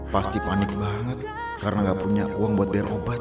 pasti panik banget karena gak punya uang buat bayar obat